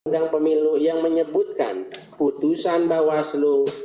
tandang pemilu yang menyebutkan putusan bawaslu